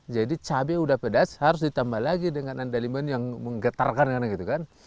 jadi cabai udah pedas harus ditambah lagi dengan andaliman yang menggetarkan